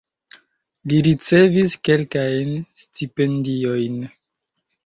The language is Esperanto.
Li ricevis kelkajn stipendiojn.